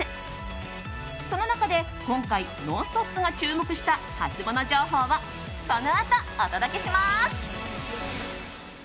その中で今回「ノンストップ！」が注目したハツモノ情報をこのあと、お届けします。